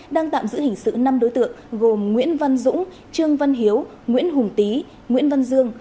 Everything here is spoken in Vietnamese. đang tạm giữ hình sự năm đối tượng gồm nguyễn văn dũng trương văn hiếu nguyễn hùng tý nguyễn văn dương